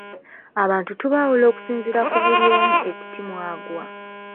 Abantu tubaawula okusinziira ku buli omu ekiti mw'agwa.